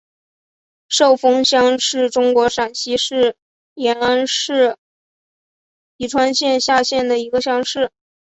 寿峰乡是中国陕西省延安市宜川县下辖的一个乡。